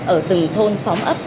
ở từng thôn xóm ấp